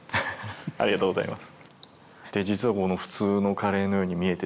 ありがとうございます。